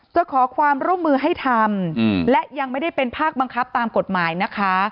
ขอความร่วมมือให้ทำและยังไม่ได้เป็นภาคบังคับตามกฎหมายนะคะ